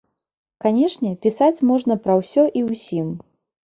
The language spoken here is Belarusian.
Канешне, пісаць можна пра ўсё і ўсім.